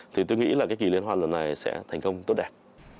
thì tôi nghĩ là cái kỳ liên hoàn lần này sẽ thành công tốt đẹp